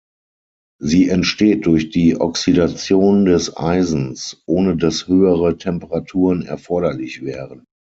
Sie entsteht durch die Oxidation des Eisens, ohne dass höhere Temperaturen erforderlich wären.